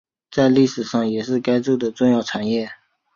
在历史上也是该州的重要产业。